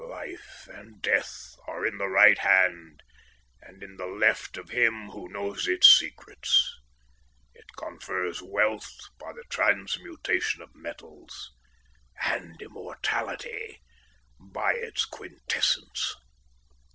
Life and death are in the right hand and in the left of him who knows its secrets. It confers wealth by the transmutation of metals and immortality by its quintessence."